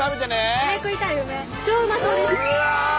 うわ！